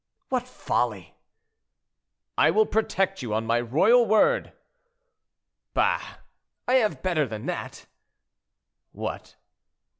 "What folly!" "I will protect you, on my royal word." "Bah! I have better than that." "What?"